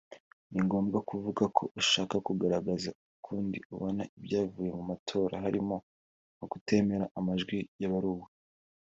ni ngombwa kuvuga ko ushaka kugaragaza ukundi abona ibyavuye mu matora harimo nko kutemera amajwi yabaruwe